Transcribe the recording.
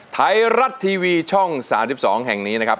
ไทยรัฐทีวีช่อง๓๒แห่งนี้นะครับ